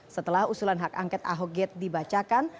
setelah usulan hak angket ahok gate dibacakan